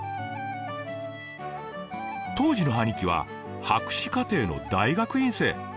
当時の兄貴は博士課程の大学院生。